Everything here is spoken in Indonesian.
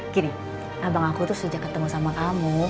gini abang aku tuh sejak ketemu sama kamu